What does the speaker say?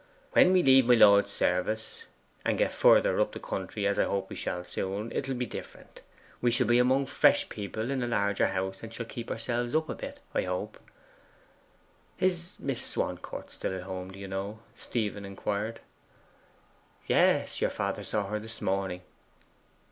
'When we leave my lord's service, and get further up the country as I hope we shall soon it will be different. We shall be among fresh people, and in a larger house, and shall keep ourselves up a bit, I hope.' 'Is Miss Swancourt at home, do you know?' Stephen inquired 'Yes, your father saw her this morning.